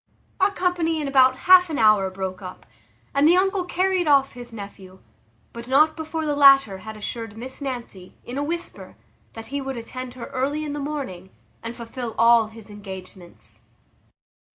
Our company in about half an hour broke up, and the uncle carried off his nephew; but not before the latter had assured Miss Nancy, in a whisper, that he would attend her early in the morning, and fulfil all his engagements.